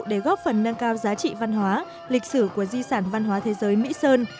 để góp phần nâng cao giá trị văn hóa lịch sử của di sản văn hóa thế giới mỹ sơn